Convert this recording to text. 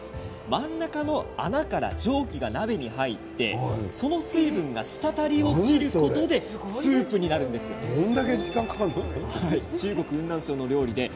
真ん中の穴から蒸気が鍋に入りその水分が滴り落ちることでスープになるという中国雲南省の料理です。